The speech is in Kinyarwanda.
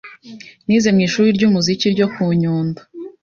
nize mu ishuri ry'umuziki ryo ku Nyundo